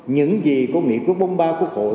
những gì công nghệ quốc bông ba quốc hội